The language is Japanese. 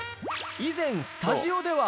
以前、スタジオでは。